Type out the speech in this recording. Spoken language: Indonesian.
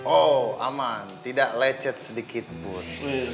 oh aman tidak lecet sedikit bus